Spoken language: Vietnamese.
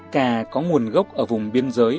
cà có nguồn gốc ở vùng biên giới